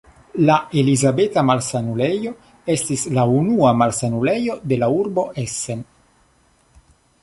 La Elizabeta-Malsanulejo estis la unua malsanulejo de la urbo Essen.